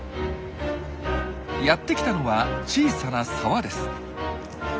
やって来たのは小さな沢です。